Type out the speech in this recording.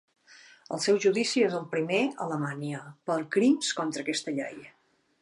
El seu judici és el primer a Alemanya per crims contra aquesta llei.